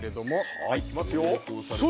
はいいきますよそれ！